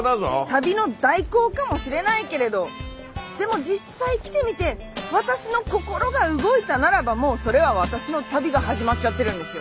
旅の代行かもしれないけれどでも実際来てみて私の心が動いたならばもうそれは私の旅が始まっちゃってるんですよ。